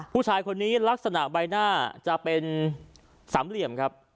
ผู้ชายคนนี้ลักษณะใบหน้าจะเป็นสามเหลี่ยมครับ